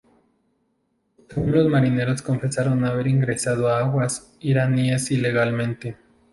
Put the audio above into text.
Según los marineros confesaron haber ingresado a aguas iraníes ilegalmente.